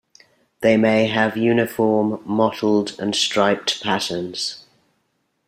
They may have uniform, mottled, and striped patterns.